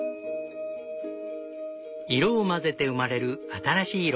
色を混ぜて生まれる新しい色。